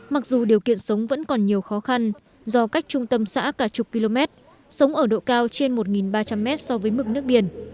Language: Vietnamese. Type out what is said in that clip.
mặc dù điều kiện sống vẫn còn nhiều khó khăn do cách trung tâm xã cả chục km sống ở độ cao trên một ba trăm linh mét so với mực nước biển